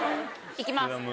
・いきます。